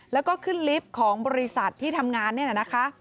แล้วก็ขึ้นลิฟต์ของบริษัทที่ทำงานนี่แหละนะคะ